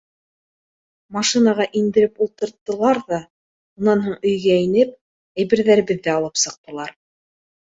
Машинаға индереп ултырттылар ҙа, унан һуң өйгә инеп, әйберҙәребеҙҙе алып сыҡтылар.